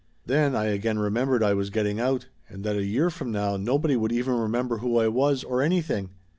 Then I again remembered I was getting out, and that a year from now nobody would even remember who I was, or anything